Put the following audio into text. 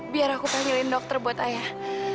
biar aku panggilin dokter buat ayah